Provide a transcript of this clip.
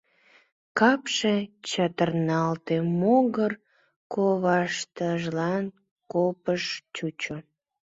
Капше чытырналте, могыр коваштыжлан копыж чучо.